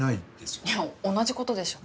いや同じ事でしょ。